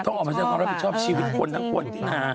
ต้องออกมารับผิดชอบชีวิตคนทั้งคนที่น่า